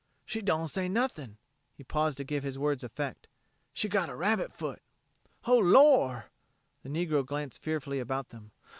"She don' say nothing." He paused to give his words effect. "She got a rabbit foot." "Oh, Lor'!" The negro glanced fearfully about them.